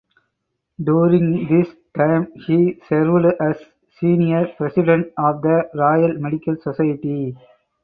During this time he served as senior president of the Royal Medical Society.